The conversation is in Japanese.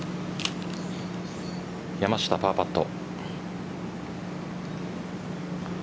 山下、パーパット。